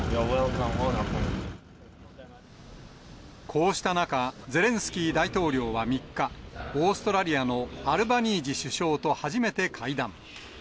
こうした中、ゼレンスキー大統領は３日、オーストラリアのアルバニージ首相と初めて会談。